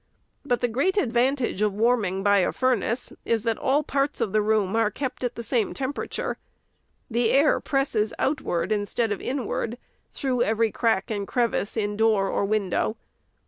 But the great advantage of warming by a furnace is, that all parts of the room are kept at the same temperature. The air presses outward instead of inward, through every crack and crevice in door or window.